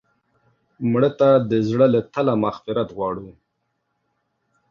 مړه ته د زړه له تله مغفرت غواړو